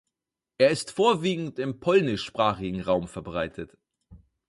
Er ist vorwiegend im polnischsprachigen Raum verbreitet.